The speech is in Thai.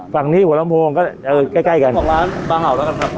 ฝั่งนี้หัวลำโพงก็จะใกล้กันของร้านปลาเห่าแล้วกันครับ